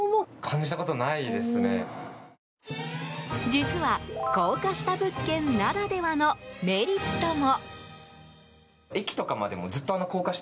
実は、高架下物件ならではのメリットも。